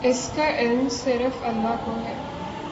اس کا علم صرف اللہ کو ہے۔